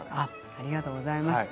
ありがとうございます。